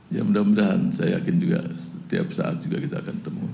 ya mudah mudahan saya yakin juga setiap saat juga kita akan temu